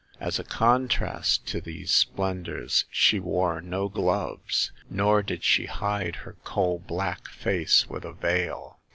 As a contrast to these splendors she wore no gloves, nor did she hide her coal blackface with a veil.